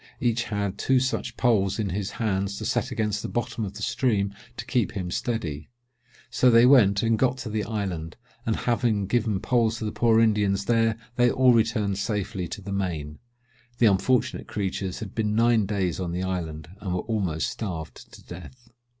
Each had two such poles in his hands to set against the bottom of the stream to keep them steady: so they went and got to the island, and having given poles to the poor Indians there, they all returned safely to the main. The unfortunate creatures had been nine days on the island, and were almost starved to death."